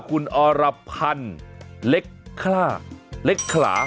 คุณอรพันธ์เล็กคล่าเล็กขลา